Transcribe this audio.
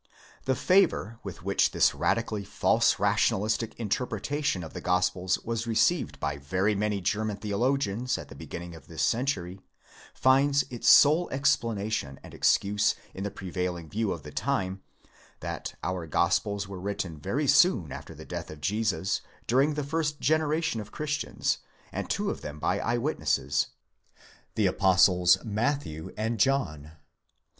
~The favour with which this radically false ration alistic interpretation of the Gospels was received by very many German theologians at the beginning of this century finds its sole explanation and excuse in the prevailing view of the time—that our Gospels were written very soon after the: death of Jesus, during the first generation of Christians, and two of x INTRODUCTION, | them by eye witnesses—the apostles Matthew and John.